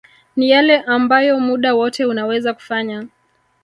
ni yale ambayo muda wote unaweza kufanya